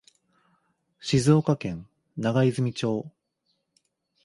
静岡県長泉町